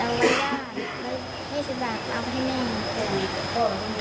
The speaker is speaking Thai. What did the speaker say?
แล้วอีก๒๐บาทเอาไปให้แม่